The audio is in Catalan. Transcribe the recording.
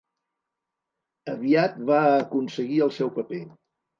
Aviat va aconseguir el seu paper.